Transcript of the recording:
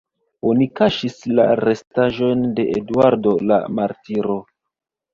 Oni kaŝis la restaĵojn de Eduardo la martiro.